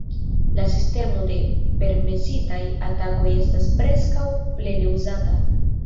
La sistemo de "permesitaj" atakoj estas preskaŭ plene uzata.